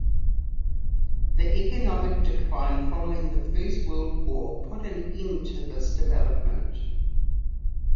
The economic decline following the First World War put an end to this development.